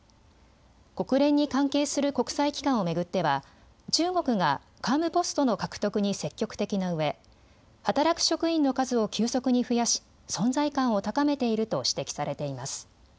国連に関係する国際機関を巡っては中国が幹部ポストの獲得に積極的なうえ働く職員の数を急速に増やし存在感を高めていると指摘されています。